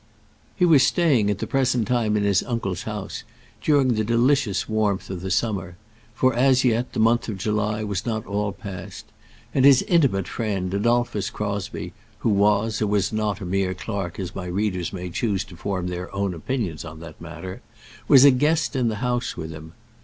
He was staying at the present time in his uncle's house, during the delicious warmth of the summer, for, as yet, the month of July was not all past; and his intimate friend, Adolphus Crosbie, who was or was not a mere clerk as my readers may choose to form their own opinions on that matter, was a guest in the house with him.